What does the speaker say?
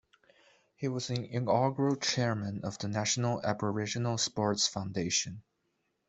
He was the inaugural chairman of the National Aboriginal Sports Foundation.